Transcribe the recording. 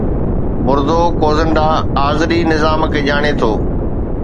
مردوڪوزنڊا آذري نظام کي ڄاڻي ٿو